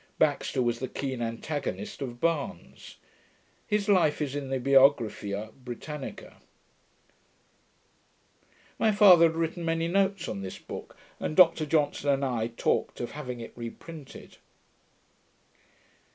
Baxter was the keen antagonist of Barnes. His life is in the Biographia Britannica. My father has written many notes on this book, and Dr Johnson and I talked of having it reprinted.